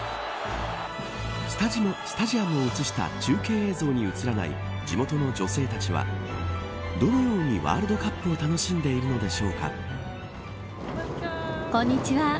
スタジアムを映した中継映像に映らない地元の女性たちはどのようにワールドカップを楽しんでいるのでしょうか。